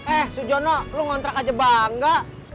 eh sujono lo kontrak aja bangga